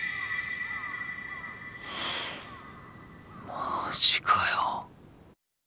マジかよ。